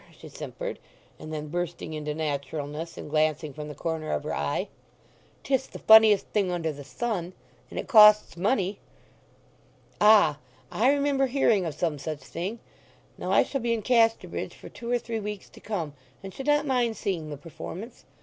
she simpered. And then, bursting into naturalness, and glancing from the corner of her eye, "'Tis the funniest thing under the sun! And it costs money." "Ah! I remember hearing of some such thing. Now I shall be in Casterbridge for two or three weeks to come, and should not mind seeing the performance.